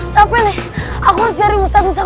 capek nih aku cari bisa bisa